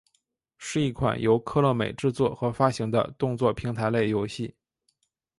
是一款由科乐美制作和发行的动作平台类游戏。